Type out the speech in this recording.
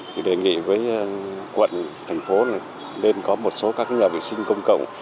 thì đề nghị với quận thành phố là nên có một số các nhà vệ sinh công cộng